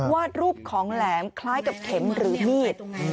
วาดรูปของแหลมคล้ายกับเข็มหรือมีด